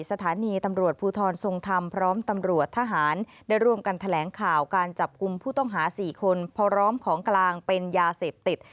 สถานีตำรวจภูทรทรงธรรมพร้อมตำรวจทหารได้ร่วมกันแถลงข่าวการจับกลุ่มผู้ต้องหา๔คนพร้อมของกลางเป็นยาเสพติด